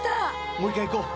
もう一回行こう。